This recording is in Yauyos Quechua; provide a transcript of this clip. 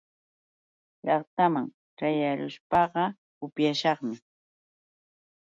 Llaqtaman ćhayarushpaqa upyashaqmi.